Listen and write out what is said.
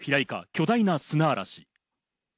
巨大な砂嵐。